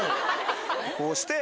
こうして。